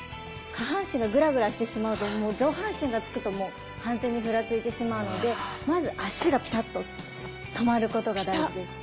下半身がグラグラしてしまうと上半身がつくともう完全にふらついてしまうのでまず足がピタッと止まることが大事です。